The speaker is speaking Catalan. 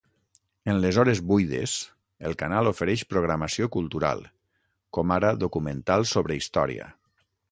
En les hores buides, el canal ofereix programació cultural, com ara documentals sobre història.